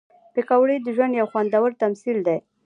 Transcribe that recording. پکورې د ژوند یو خوندور تمثیل دی